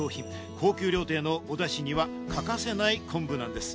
高級料亭のおだしには欠かせない昆布なんです。